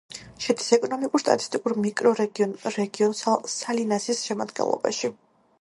შედის ეკონომიკურ-სტატისტიკურ მიკრორეგიონ სალინასის შემადგენლობაში.